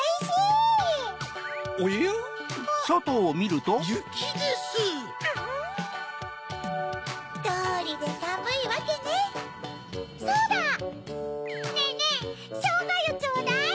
そうだ！